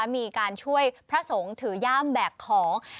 มีการช่วยพระสงฆ์ถือย่ามแบกของ